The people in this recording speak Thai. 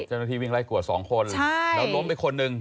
เจ้าหน้าที่วิ่งไล่กวดสองคนแล้วล้มไปคนหนึ่ง